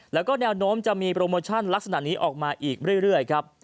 แล้วก็แนวโน้มจะมีโปรโมชั่นลักษณะนี้ออกมาอีกเรื่อยครับ